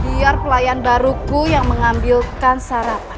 biar pelayan baruku yang mengambilkan sarapan